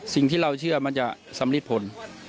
สิ่งที่เราเชื่อมันจะสำริดผล